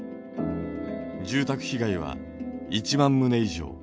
住宅被害は１万棟以上。